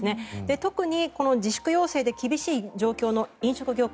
特にこの自粛要請で厳しい状況の飲食業界。